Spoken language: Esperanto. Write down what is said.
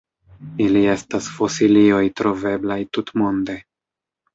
Ili estas fosilioj troveblaj tutmonde.